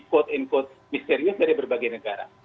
quote in quote misterius dari berbagai negara